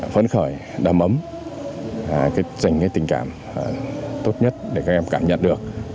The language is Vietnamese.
phấn khởi đầm ấm dành tình cảm tốt nhất để các em cảm nhận được